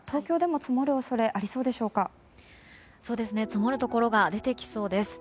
積もるところが出てきそうです。